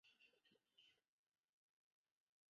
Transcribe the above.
三门核电站位于中国浙江省台州市三门县猫头山。